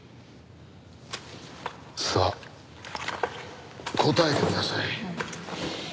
さあ答えてください。